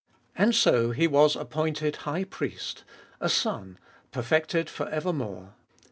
And so He was appointed High Priest — a Son, perfected for evermore.